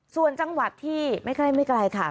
ส่วนจังหวัดที่ไม่ไกลค่ะ